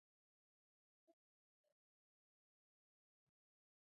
په خوله کې زرګونه حسونکي حجرې لري.